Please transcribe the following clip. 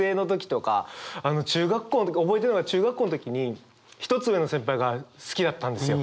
覚えてるのが中学校の時に１つ上の先輩が好きだったんですよ。